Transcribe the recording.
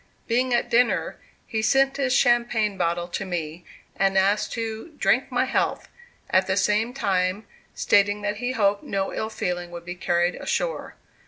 Being at dinner, he sent his champagne bottle to me, and asked to "drink my health," at the same time stating that he hoped no ill feeling would be carried ashore.